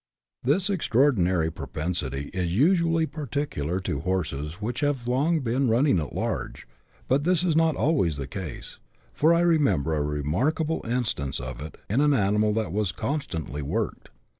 This extraordinary propensity is usually peculiar to horses which have long been running at large, but this is not always the case, for I remember a remarkable instance of it in an animal that was constantly worked.